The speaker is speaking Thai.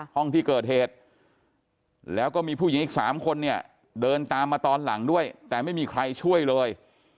ห้องที่เกิดเหตุแล้วก็มีผู้หญิงอีก๓คนเนี่ยเดินตามมาตอนหลังด้วยแต่ไม่มีใครช่วยเลย